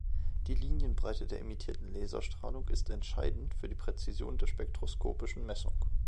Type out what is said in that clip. Die Linienbreite der emittierten Laserstrahlung ist entscheidend für die Präzision der spektroskopischen Messung.